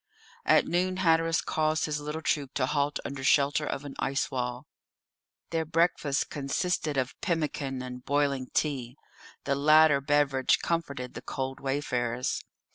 At noon Hatteras caused his little troop to halt under shelter of an ice wall. Their breakfast consisted of pemmican and boiling tea; the latter beverage comforted the cold wayfarers.